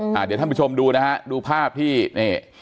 เดี๋ยวท่านผู้ชมดูนะฮะดูภาพที่นี่